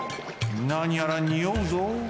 なにやらにおうぞ。